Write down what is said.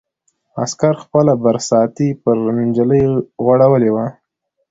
عسکر خپله برساتۍ پر نجلۍ غوړولې وه.